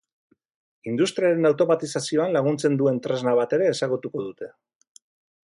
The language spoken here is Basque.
Industriaren automatizazioan laguntzen duen tresna bat ere ezagutuko dute.